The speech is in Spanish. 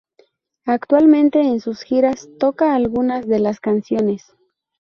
Actualmente en sus giras, toca algunas de las canciones.